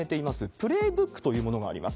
プレーブックというものがあります。